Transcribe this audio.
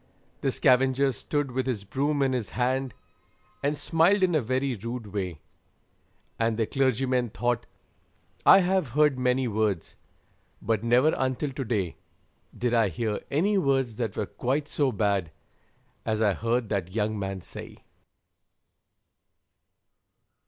The scavenger stood with his broom in his hand, And smiled in a very rude way; And the clergyman thought, 'I have heard many words, But never, until to day, Did I hear any words that were quite so bad As I heard that young man say.'